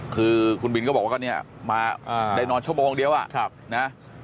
คือคุณบินก็บอกว่าก็เนี่ยมาได้นอนชั่วโมงเดียวอ่ะนะ